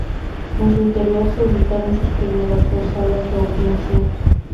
En su interior se ubicaron sus primeras dos salas de audiencia.